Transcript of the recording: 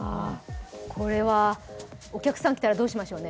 これはお客さん来たらどうしましょうね？